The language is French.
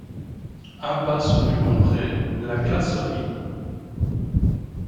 Impasse du Long Pré, La Glacerie